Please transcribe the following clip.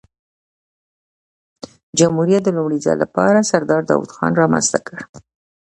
جمهوریت د لومړي ځل له پاره سردار داود خان رامنځ ته کړ.